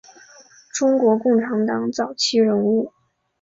中国共产党早期人物。